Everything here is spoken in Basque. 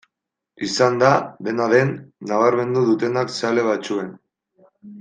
Izan da, dena den, nabarmendu dutenak zale batzuen.